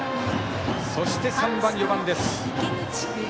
そして、３番、４番です。